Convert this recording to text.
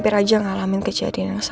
pokoknya aku cukup merindis